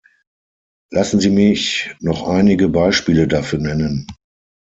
Lassen Sie mich noch einige Beispiele dafür nennen.